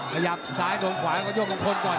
ขยับสายหลวงขวาก็ย่วงมงคลก่อน